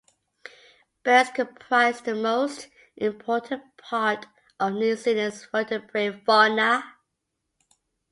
Birds comprise the most important part of New Zealand's vertebrate fauna.